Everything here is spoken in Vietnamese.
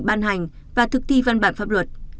ban hành và thực thi văn bản pháp luật